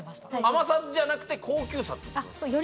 甘さじゃなくて高級さってことですか？